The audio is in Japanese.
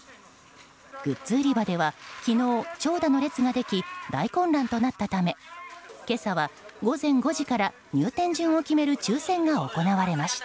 グッズ売り場では昨日長蛇の列ができ大混乱となったため今朝は午前５時から入店順を決める抽選が行われました。